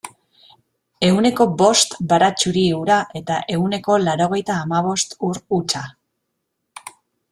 Ehuneko bost baratxuri ura eta ehuneko laurogeita hamabost ur hutsa.